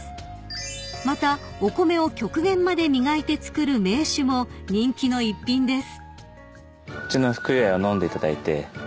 ［またお米を極限まで磨いて造る銘酒も人気の逸品です］